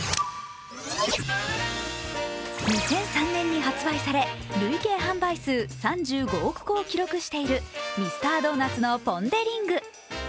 ２００３年に発売され累計販売数３５億個を記録しているミスタードーナツのポン・デ・リング。